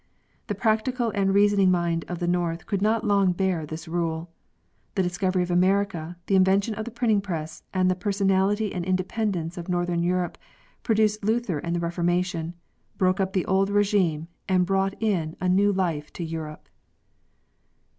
The practical and reasoning mind of the north could not long bear this rule. The discovery of America, the invention of the printing press, and the personality and independence of northern Kurope produced Luther and the Reformation, broke up the old regime, and brought in a new life to Europe.